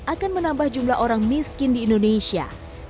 akan menambah jumlah orang miskin di indonesia